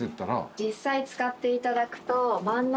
実際使っていただくと。